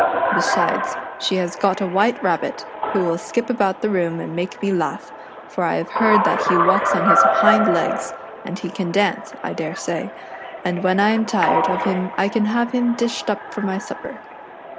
Besides, she has got a White Rabbit, who will skip about the room and make me laugh, for I have heard that he walks on his hind legs, and he can dance, I daresay; and when I am tired of him I can have him dished up for my supper.